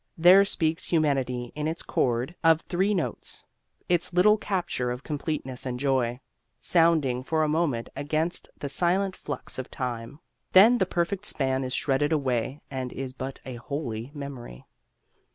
There speaks humanity in its chord of three notes: its little capture of completeness and joy, sounding for a moment against the silent flux of time. Then the perfect span is shredded away and is but a holy memory.